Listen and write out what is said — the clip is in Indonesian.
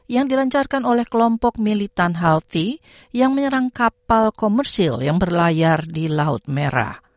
yang dilancarkan oleh kelompok militan healthy yang menyerang kapal komersil yang berlayar di laut merah